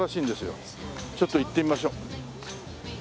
ちょっと行ってみましょう。